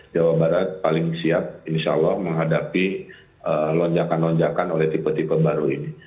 jawa barat paling siap insya allah menghadapi lonjakan lonjakan oleh tipe tipe baru ini